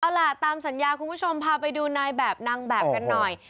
เอาล่ะตามสัญญาคุณผู้ชมพาไปดูนายแบบนางแบบกันหน่อย